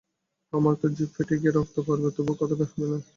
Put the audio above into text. আমার তো জিব ফেটে গিয়ে রক্ত পড়বে তবু কথা বের হবে না।